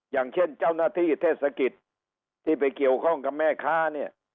อย่างเช่นเจ้าหน้าที่เทศกิจที่ไปเกี่ยวข้องกับแม่ค้าเนี่ย